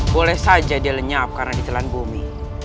boleh saja dia lenyap karena ditelan bumi